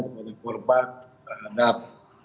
kepada korban terhadap